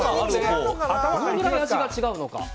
どのぐらい味が違うのか。